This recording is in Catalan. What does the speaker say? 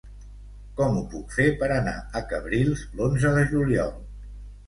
Com ho puc fer per anar a Cabrils l'onze de juliol?